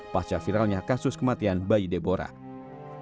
pasca viralnya kasus kematian bayi debo rasiman